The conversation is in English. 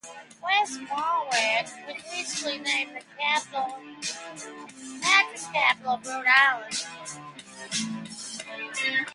West Warwick was recently named the Mattress Capital of Rhode Island.